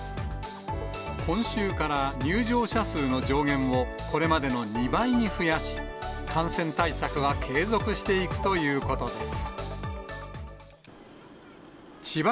今週から入場者数の上限を、これまでの２倍に増やし、感染対策は継続していくということです。